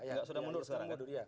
ya sudah mundur sekarang